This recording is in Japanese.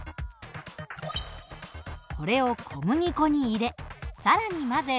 これを小麦粉に入れ更に混ぜ